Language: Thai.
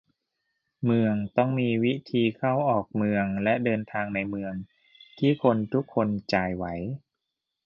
เมืองต้องมีวิธีเข้าออกเมืองและเดินทางในเมืองที่คนทุกคนจ่ายไหว